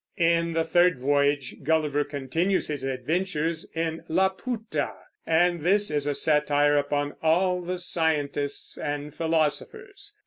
In the third voyage Gulliver continues his adventures in Laputa, and this is a satire upon all the scientists and philosophers.